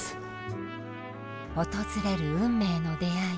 訪れる運命の出会い。